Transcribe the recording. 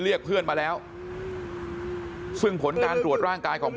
เรียกเพื่อนมาแล้วซึ่งผลการตรวจร่างกายของพ่อ